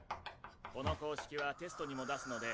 この公式はテストにも出すので。